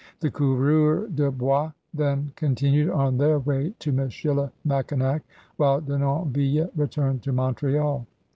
The coureura de hois then continued on their way to Michilimackinac while Denonville returned to Montreal.